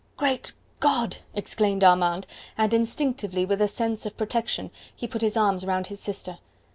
"Great God!" exclaimed Armand, and instinctively, with a sense of protection, he put his arms round his sister.